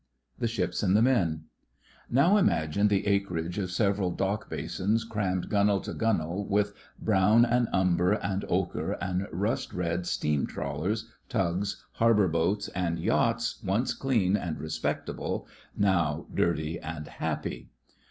THE SHIPS AND THE MEN Now, imagine the acreage of several dock basins crammed, gunwale to gunwale, with brown and umber and 12 THE FRINGES OF THE FLEET ochre and rust red steam trawlers, tugs, harbour boats, and yachts once clean and respectable, now dirty and happy.